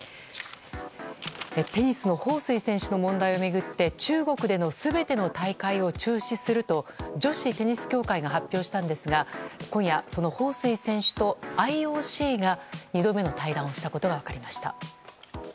テニスのホウ・スイ選手の問題を巡って中国での全ての大会を中止すると女子テニス協会が発表したんですが今夜、そのホウ・スイ選手とＩＯＣが２度目の対談をしたことが分かりました。